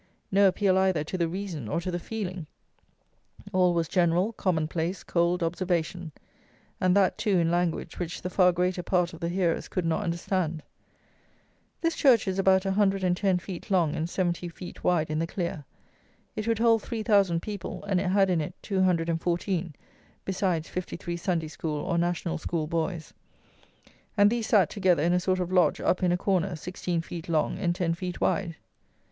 No appeal either to the reason, or to the feeling. All was general, common place, cold observation; and that, too, in language which the far greater part of the hearers could not understand. This church is about 110 feet long and 70 feet wide in the clear. It would hold three thousand people, and it had in it 214, besides 53 Sunday School or National School boys; and these sat together, in a sort of lodge, up in a corner, 16 feet long and 10 feet wide.